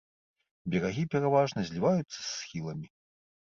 Берагі пераважна зліваюцца з схіламі.